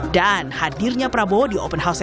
dan hadirnya prabowo di open house